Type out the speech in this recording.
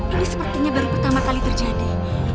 ini sepertinya baru pertama kali terjadi